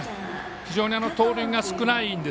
非常に盗塁が少ないんです